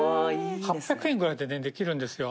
８００円ぐらいでできるんですよ